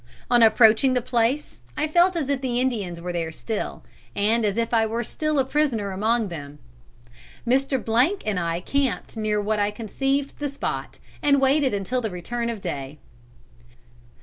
On approaching the place I felt as if the Indians were there still, and as if I were still a prisoner among them. Mr. and I camped near what I conceived the spot, and waited until the return of day.